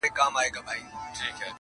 o تر پردي زوى مو دا خپله پکه لور ښه ده٫